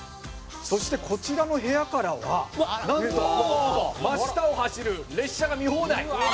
「そしてこちらの部屋からはなんと真下を走る列車が見放題！」